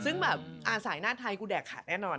ซึ่งแบบสายหน้าไทยกูแดกขาดแน่นอน